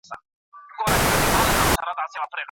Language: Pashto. ما د خپل پلار په غوښتنه مجلې راوړلې.